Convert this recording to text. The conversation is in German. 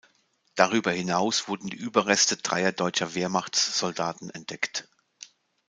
Darüber hinaus wurden die Überreste dreier deutscher Wehrmachtssoldaten entdeckt.